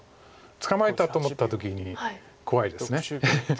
捕まえたと思った時に怖い。